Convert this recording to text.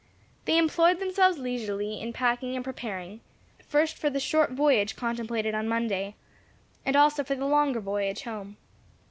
They employed themselves leisurely in packing and preparing, first for the short voyage contemplated on Monday, and also for the longer voyage home.